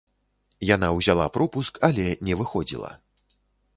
Яна ўзяла пропуск, але не выходзіла.